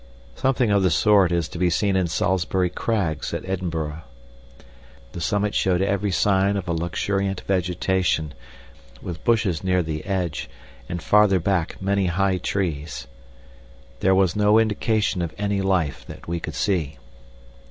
Something of the sort is to be seen in Salisbury Crags at Edinburgh. The summit showed every sign of a luxuriant vegetation, with bushes near the edge, and farther back many high trees. There was no indication of any life that we could see.